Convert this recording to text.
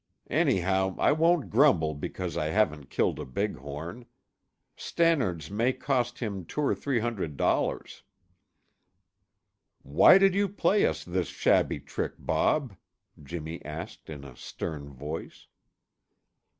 Anyhow, I won't grumble because I haven't killed a big horn. Stannard's may cost him two or three hundred dollars." "Why did you play us this shabby trick, Bob?" Jimmy asked in a stern voice.